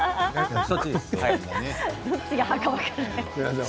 どちらが刃か分からない。